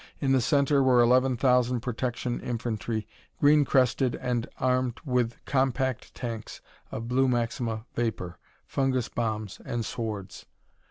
In the center were eleven thousand protection infantry, green crested and armed with compact tanks of blue maxima vapor, fungus bombs and swords.